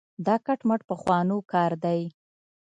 دا کټ مټ پخوانو کار دی.